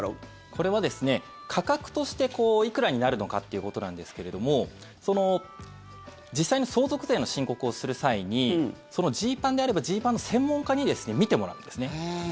これはですね、価格としていくらになるのかっていうことなんですけれども実際に相続税の申告をする際にジーパンであればジーパンの専門家に見てもらうんですね。